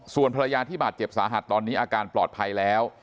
ส่วนภรรยาที่บาดเจ็บสาหัสตอนนี้อาการปลอดภัยแล้ว